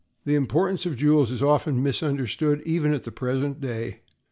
The importance of jewels is often misunderstood even at the present day.